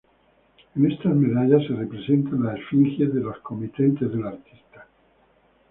En estas medallas se representaban las efigies de los comitentes del artista.